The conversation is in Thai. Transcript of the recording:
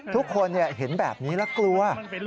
ทุกคนเห็นแบบนี้แล้วกลัว